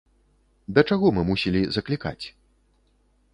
Да чаго мы мусілі заклікаць?